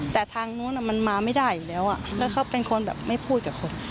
แต่ทางนู้นมันมาไม่ได้อยู่แล้วแล้วเขาเป็นคนแบบไม่พูดกับคน